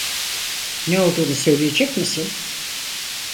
Ne olduğunu söyleyecek misin?